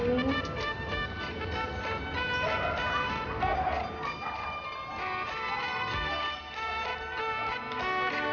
tante jat lake